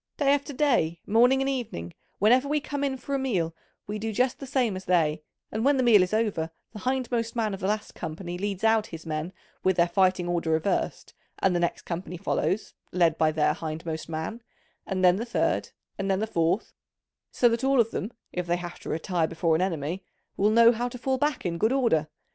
Day after day, morning and evening, whenever we come in for a meal we do just the same as they, and when the meal is over the hindmost man of the last company leads out his men with their fighting order reversed, and the next company follows, led by their hindmost man, and then the third, and then the fourth: so that all of them, if they have to retire before an enemy, will know how to fall back in good order.